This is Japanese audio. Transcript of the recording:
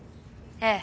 ええ。